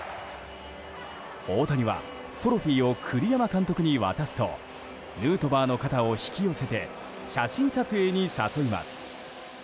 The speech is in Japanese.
大谷はトロフィーを栗山監督に渡すとヌートバーの肩を引き寄せて写真撮影に誘います。